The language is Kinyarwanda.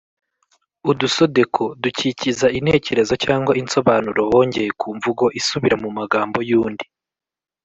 udusodeko : dukikiza intekerezo cyangwa insobanuro bongeye mu mvugo isubira mu magambo y‟undi.